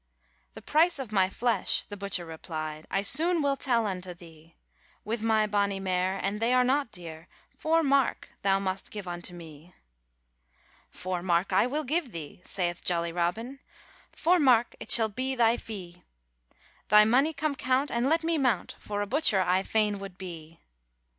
'The price of my flesh,' the butcher repli'd, 'I soon will tell unto thee; With my bonny mare, and they are not dear, Four mark thou must give unto me.' 'Four mark I will give thee,' saith jolly Robin, 'Four mark it shall be thy fee; Tby mony come count, and let me mount, For a butcher I fain would be.'